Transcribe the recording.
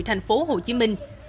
thành phố hồ chí minh